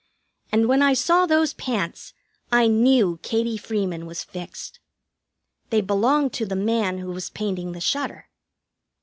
And when I saw those pants I knew Katie Freeman was fixed. They belonged to the man who was painting the shutter.